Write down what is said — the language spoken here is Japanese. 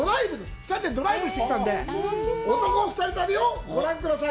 ２人でドライブしてきたので男二人旅をご覧ください。